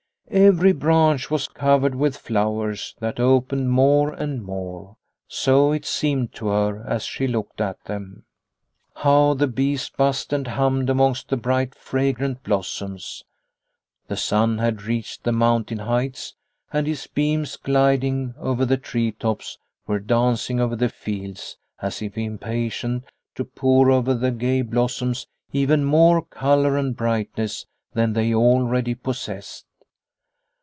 Every branch was covered with flowers that opened more and more, so it seemed to her, as she looked at them. How the bees buzzed and hummed amongst the bright, fragrant blossoms. The sun had reached the mountain heights, and his beams gliding over the tree tops were dancing over the fields, as if impatient to pour over the gay blossoms even more colour and brightness than they already possessed.